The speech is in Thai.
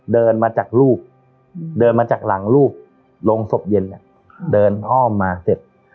เดินมาจากลูกเดินมาจากหลังลูกโรงศพเย็นเนี่ยเดินอ้อมมาเสร็จ